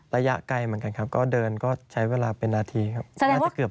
ระยะไกลเหมือนกันครับก็เดินก็ใช้เวลาเป็นนาทีครับ